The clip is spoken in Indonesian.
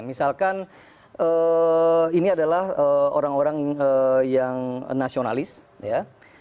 misalkan ini adalah orang orang yang nasionalis ya